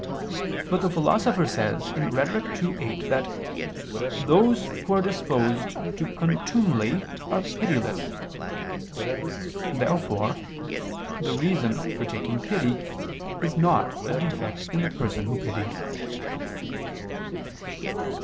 But the Philosopher says (Rhet. ii, 8) that "those who are disposed to contumely are pitiless." Therefore the reason for taking pity, is not a defect in the person who pities.